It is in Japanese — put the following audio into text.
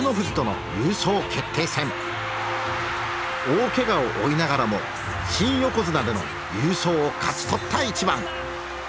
大けがを負いながらも新横綱での優勝を勝ち取った一番。